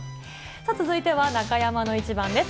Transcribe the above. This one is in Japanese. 続いては中山のイチバンです。